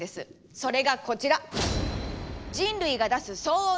それがこちら！